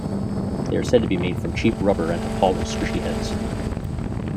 They are said to be made from cheap rubber and have hollow, squishy heads.